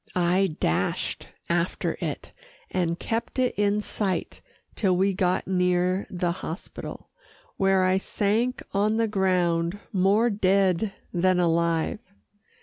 I dashed after it, and kept it in sight till we got near the hospital, where I sank on the ground, more dead than alive.